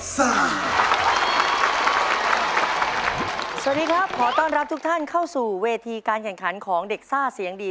สวัสดีครับขอต้อนรับทุกท่านเข้าสู่เวทีการแข่งขันของเด็กซ่าเสียงดี